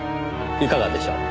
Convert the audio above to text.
いかがでしょう？